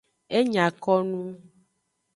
E nya ko nu.